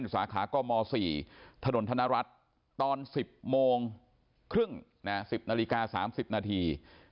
สาขากม๔ถนนธนรัฐตอน๑๐โมงครึ่ง๑๐นาฬิกา๓๐นาที